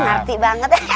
ngerti banget ya